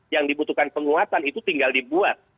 yang dibutuhkan penguatan itu tinggal dibuat